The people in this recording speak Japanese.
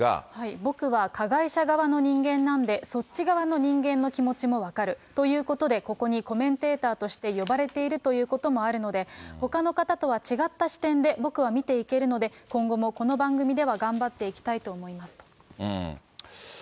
僕は加害者側の人間なんで、そっち側の人間の気持ちも分かるということで、ここにコメンテーターとして呼ばれているということもあるので、ほかの方とは違った視点で僕は見ていけるので、今後もこの番組では頑張っていきたいと思いますと。